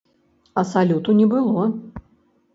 А салюту не было.